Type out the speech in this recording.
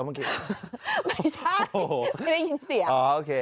ไม่ได้ยินเสียง